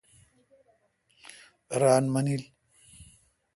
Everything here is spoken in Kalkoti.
ران منیل۔